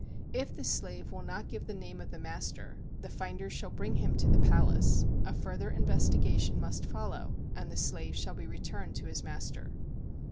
If the slave will not give the name of the master, the finder shall bring him to the palace; a further investigation must follow and the slave shall be returned to his master.